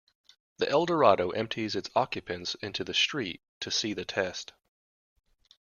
The Eldorado emptied its occupants into the street to see the test.